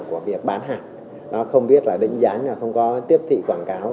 của việc bán hàng không biết định gián không có tiếp thị quảng cáo